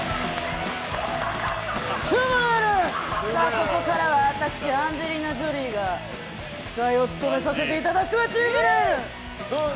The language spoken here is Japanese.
ここからは私アンジェリーナ・ジョリーが司会を務めさせていただくトゥームレイダー！